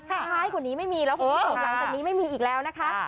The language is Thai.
ของนี้ไม่มีแล้ว